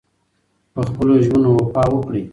پخپلو ژمنو وفا وکړئ.